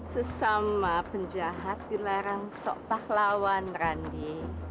sesama penjahat dilarang sok pahlawan randi